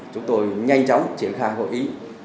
chúng tôi nhanh chóng triển khai hội ý